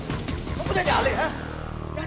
lo mau jalan